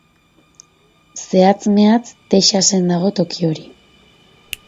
Zehatz mehatz Texasen dago toki hori.